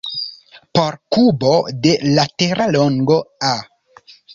Por kubo de latera longo "a",